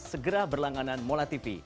segera berlangganan molatv